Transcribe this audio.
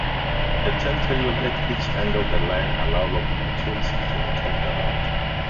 A turntable at each end of the line allow locomotives to be turned around.